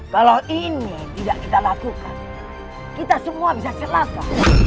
kalau ini tidak kita lakukan kita semua bisa celaka